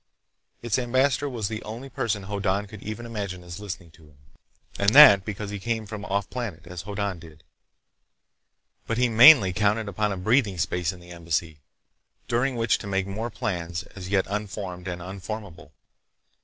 Its ambassador was the only person Hoddan could even imagine as listening to him, and that because he came from off planet, as Hoddan did. But he mainly counted upon a breathing space in the Embassy, during which to make more plans as yet unformed and unformable.